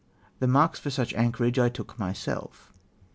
The marks for such anchorage I took myself."